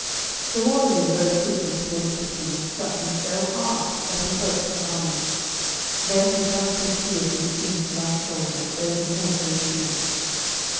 The warrior rode quickly towards the King, and struck him so hard that he broke his armour. Then he thrust his spear through the King's right shoulder, as though he held no shield.